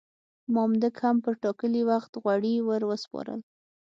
مامدک هم پر ټاکلي وخت غوړي ور وسپارل.